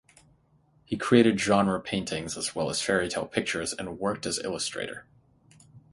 He created genre paintings as well as fairy tale pictures and worked as illustrator.